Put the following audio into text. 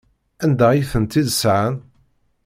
Anda ay tent-id-sɣan?